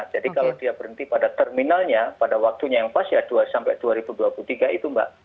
jadi kalau dia berhenti pada terminalnya pada waktunya yang pas ya sampai dua ribu dua puluh tiga itu mbak